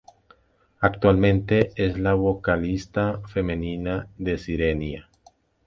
Actualmente, es la vocalista femenina de Sirenia.